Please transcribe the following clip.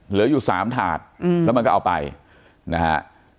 เหลืออยู่๓ถาดแล้วมันก็เอาไปนะฮะ